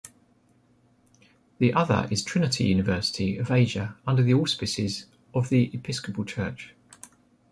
The other is Trinity University of Asia under the auspices of the Episcopal Church.